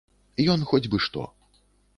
Ён хоць бы што.